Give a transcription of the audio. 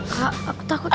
kak aku takut